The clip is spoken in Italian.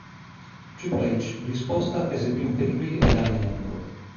Triple H, in risposta, eseguì un "Pedigree" ai danni di Angle.